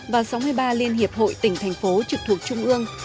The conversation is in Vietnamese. và sáu mươi ba liên hiệp hội tỉnh thành phố trực thuộc trung ương